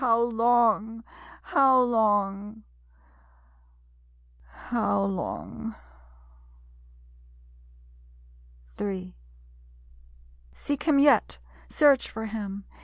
How long?... How long? .......... How long? III Seek him yet. Search for him!